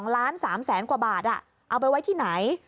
๒ล้าน๓แสนกว่าบาทเอาไปไว้ที่ไหน